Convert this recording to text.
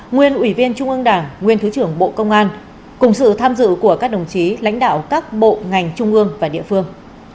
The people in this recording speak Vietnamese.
nguyên ủy viên trung ương đảng nguyên thứ trưởng bộ công an cùng sự tham dự của các đồng chí lãnh đạo các bộ ngành trung ương và địa phương